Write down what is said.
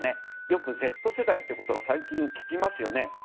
よくＺ世代っていう言葉最近聞きますよね。